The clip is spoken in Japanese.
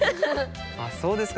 あそうですか。